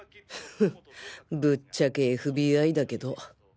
ハハぶっちゃけ ＦＢＩ だけど